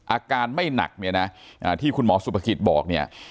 อาการไม่หนักเนี่ยนะที่คุณหมอสุภกิจบอกเนี่ย